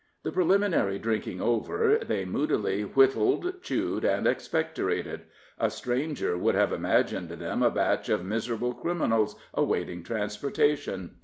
The preliminary drinking over, they moodily whittled, chewed, and expectorated; a stranger would have imagined them a batch of miserable criminals awaiting transportation.